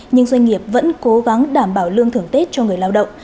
nhưng doanh nghiệp vẫn cố gắng đảm bảo lương thưởng tết cho người lao động